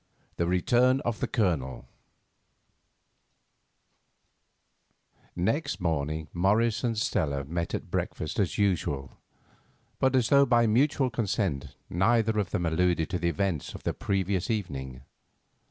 THE RETURN OF THE COLONEL Next morning Morris and Stella met at breakfast as usual, but as though by mutual consent neither of them alluded to the events of the previous evening.